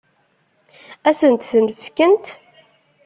Ad sent-ten-fkent?